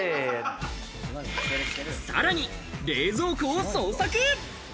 さらに冷蔵庫を捜索。